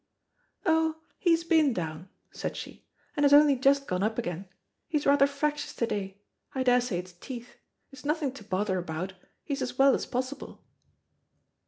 "Oh, he's been down," said she, "and has only just gone up again. He's rather fractious to day. I daresay it's teeth. It's nothing to bother about; he's as well as possible."